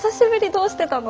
どうしてたの？」